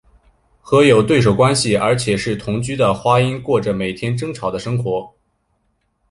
和有对手关系而且是同室的花音过着每天争吵的生活。